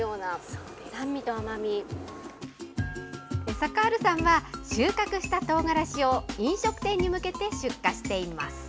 サカールさんは、収穫したとうがらしを飲食店に向けて出荷しています。